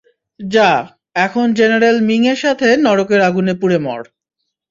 যা, এখন general Ming এর সাথে নরকের আগুনে পুড়ে মর!